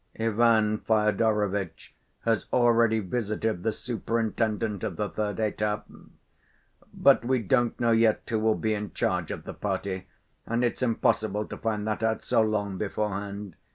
Ivan Fyodorovitch has already visited the superintendent of the third étape. But we don't know yet who will be in charge of the party, and it's impossible to find that out so long beforehand.